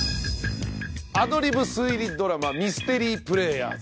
『アドリブ推理ドラマミステリープレイヤーズ』。